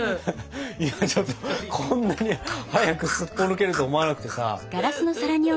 今ちょっとこんなに早くすっぽ抜けると思わなくてさ。